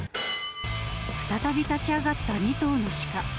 再び立ち上がった２頭のシカ。